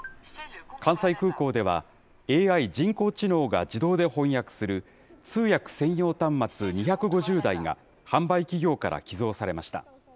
関西空港では、ＡＩ・人工知能が自動で翻訳する通訳専用端末２５０台が販売企業から寄贈されました。